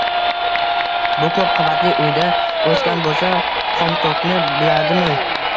Bu ko`p qavatli uyda o`sgan bo`lsa, xomtokni biladimi